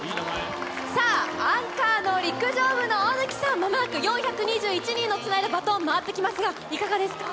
さあ、アンカーの陸上部の大貫さん、まもなく４２１人をつなぐバトン、回ってきますが、いかがですか？